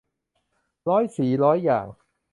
ร้อยสีร้อยอย่าง